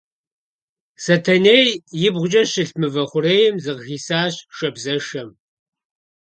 Сэтэней ибгъукӏэ щылъ мывэ хъурейм зыкъыхисащ шабзэшэм.